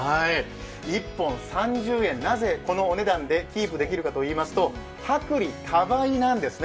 １本３０円、なぜこのお値段でキープできるかといいますと薄利多売なんですね。